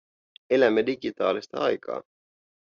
Elämme digitaalista aikaa.